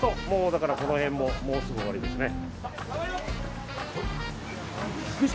だからこの辺ももうすぐ終わりですね。